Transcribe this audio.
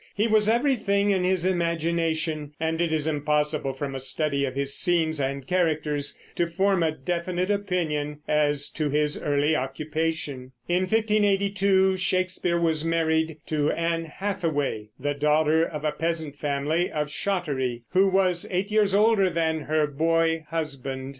He was everything, in his imagination, and it is impossible from a study of his scenes and characters to form a definite opinion as to his early occupation. In 1582 Shakespeare was married to Anne Hathaway, the daughter of a peasant family of Shottery, who was eight years older than her boy husband.